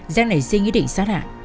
giang nảy suy nghĩ định xác hạ